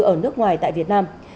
ở nước ngoài tại việt nam